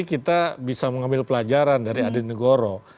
jadi kita bisa mengambil pelajaran dari adi negoro